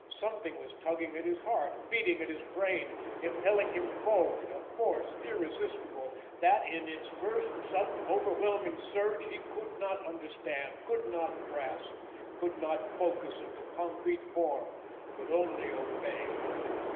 Something was tugging at his heart, beating at his brain, impelling him forward; a force irresistible, that, in its first, sudden, overwhelming surge he could not understand, could not grasp, could not focus into concrete form could only obey.